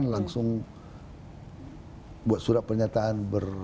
langsung buat surat pernyataan